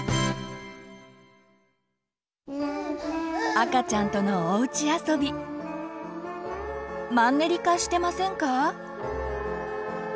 赤ちゃんとのおうちあそびマンネリ化してませんか？